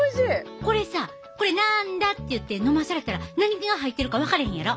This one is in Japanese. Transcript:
これさこれなんだって言って飲まされたら何が入ってるか分からへんやろ。